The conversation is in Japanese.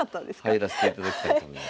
入らせていただきたいと思います。